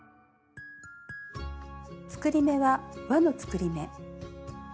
作り目は「わの作り目」。